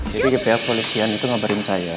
jadi ke pihak polisian itu ngabarin saya